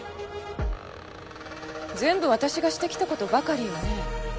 全部私がしてきたことばかりよね？